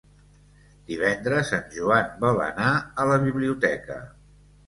Divendres en Joan vol anar a la biblioteca.